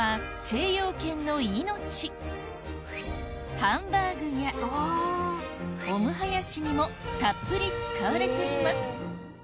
ハンバーグやオムハヤシにもたっぷり使われています